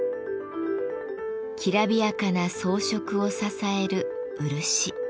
きらびやかな装飾を支える漆。